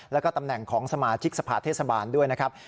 แล้วก็ตำแหน่งของสมาชิกสภาเทศบาลด้วยนะครับ